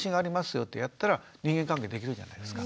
よってやったら人間関係できるじゃないですか。